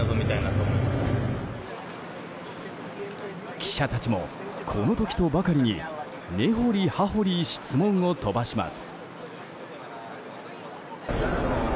記者たちも、この時とばかりに根掘り葉掘り質問を飛ばします。